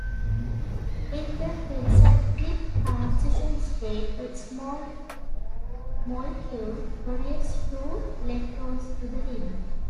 In the pericyclic transition state, a small molecule donates two electrons to the ring.